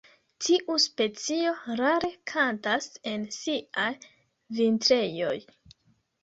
Tiu specio rare kantas en siaj vintrejoj.